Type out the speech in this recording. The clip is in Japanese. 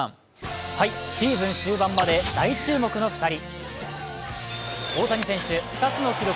シーズン終盤まで大注目の２人。